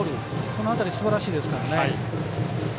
この辺りすばらしいですからね。